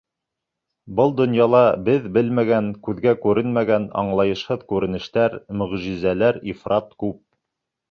Был донъяла беҙ белмәгән, күҙгә күренмәгән, аңлайышһыҙ күренештәр, мөғжизәләр ифрат күп.